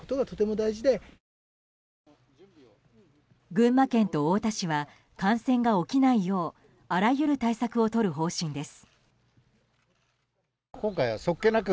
群馬県と太田市は感染が起きないようあらゆる対策をとる方針です。